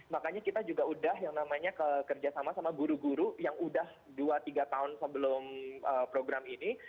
makanya kita juga udah yang namanya kerja sama sama guru guru yang udah dua tiga tahun sebelum program ini